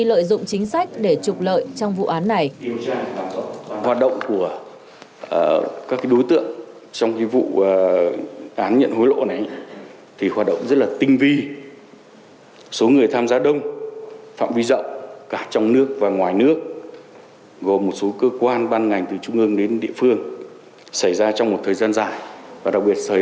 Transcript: lợi dụng chính sách để trục lợi trong vụ án này